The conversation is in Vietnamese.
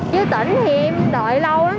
với tỉnh thì em đợi lâu lắm